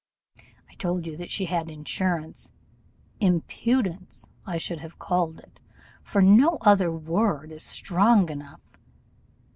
I told you that she had assurance impudence I should have called it, for no other word is strong enough.